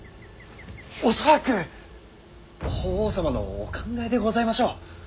恐らく法皇様のお考えでございましょう。